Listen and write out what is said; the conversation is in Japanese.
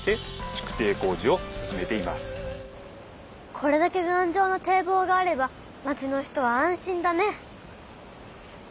これだけがんじょうな堤防があれば町の人は安心だね！